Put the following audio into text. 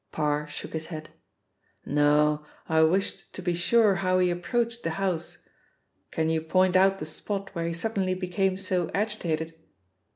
Parr shook his head. "No, I wished to be sure how he approached the house. Can you point out the spot where he suddenly became so agitated?"